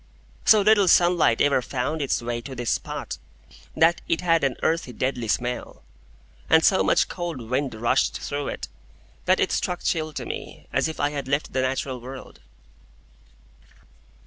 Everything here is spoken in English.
So little sunlight ever found its way to this spot, that it had an earthy, deadly smell; and so much cold wind rushed through it, that it struck chill to me, as if I had left the natural world.